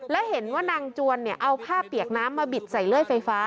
แล้วเห็นว่านางจวนเอาผ้าเปียกน้ำมาบิดใส่เลื่อยไฟฟ้า